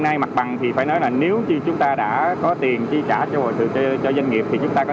nay mặt bằng thì phải nói là nếu như chúng ta đã có tiền chi trả cho doanh nghiệp thì chúng ta có